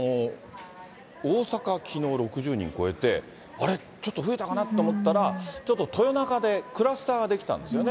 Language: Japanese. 大阪、きのう６０人超えて、あれ、ちょっと増えたかなと思ったら、ちょっと豊中でクラスター出来たんですよね。